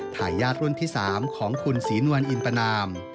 ถ่ายย่าศิลป์รุ่นที่สามของคุณศรีนวรอินปนาม